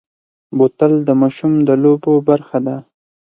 بوتل د ماشوم د لوبو برخه ده.